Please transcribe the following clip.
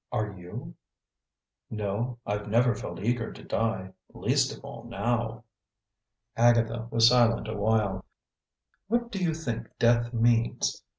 Are you?" "No, I've never felt eager to die; least of all, now." Agatha was silent a while. "What do you think death means?